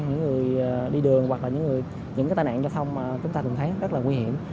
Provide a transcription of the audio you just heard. những người đi đường hoặc là những cái tai nạn giao thông mà chúng ta thường thấy rất là nguy hiểm